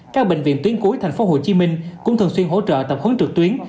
các bệnh viện tuyến cuối thành phố hồ chí minh cũng thường xuyên hỗ trợ tập hướng trực tuyến